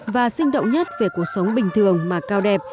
và sinh động nhất về cuộc sống bình thường mà cao đẹp